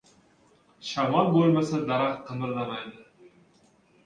• Shamol bo‘lmasa daraxt qimirlamaydi.